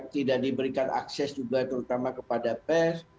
tidak diberikan akses juga terutama kepada pers